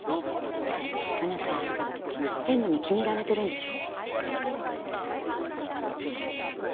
あなた専務に気に入られてるんでしょ？